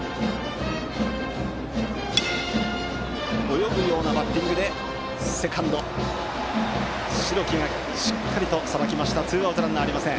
泳ぐようなバッティングでセカンド、白木しっかりさばいてツーアウト、ランナーありません。